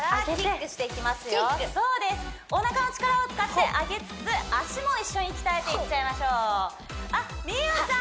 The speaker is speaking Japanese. そうですおなかの力を使って上げつつ脚も一緒に鍛えていっちゃいましょうあっ美桜ちゃん